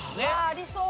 ありそう！